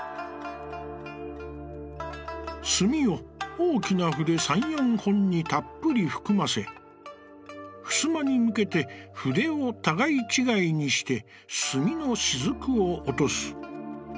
「墨を大きな筆三、四本にたっぷりふくませ、襖に向けて、筆をたがい違いにして墨のしずくを落とす。